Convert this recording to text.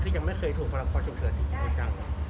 ที่ก็ไม่เคยถูกศึกภารกร